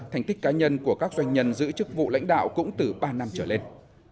thành tích cá nhân của các doanh nhân giữ chức vụ lãnh đạo cũng từ ba năm trở lên